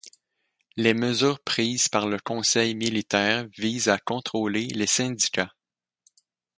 Les mesures prises par le Conseil militaire visent à contrôler les syndicats.